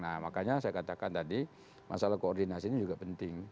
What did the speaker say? nah makanya saya katakan tadi masalah koordinasinya juga penting